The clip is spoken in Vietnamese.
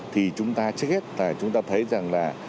thì chúng ta thấy rằng là